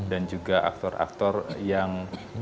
dan juga aktor aktor yang